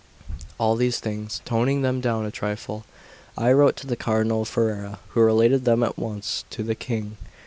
All these things, toning them down a trifle, I wrote to the Cardinal of Ferrara, who related them at once to the King.